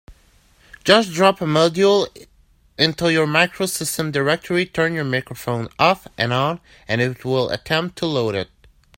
Just drop a module into your MacroSystem directory, turn your microphone off and on, and it will attempt to load it.